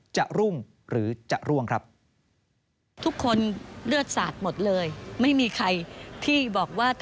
จะรุ่งหรือจะร่วงครับ